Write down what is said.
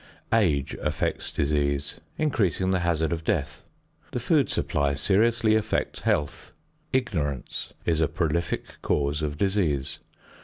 Age affects disease, increasing the hazard of death. The food supply seriously affects health. Ignorance is a prolific cause of disease.